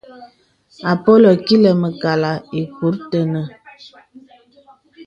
Àpolə̀ kilə̀ mə̀kàlà ìkurə̀ tenə̀.